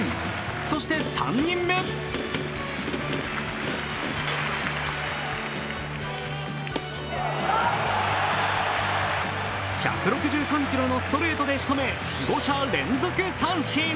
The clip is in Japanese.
そして３人目１６３キロのストレートでしとめ、５者連続三振。